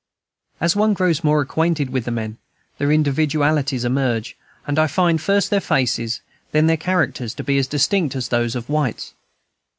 As one grows more acquainted with the men, their individualities emerge; and I find, first their faces, then their characters, to be as distinct as those of whites.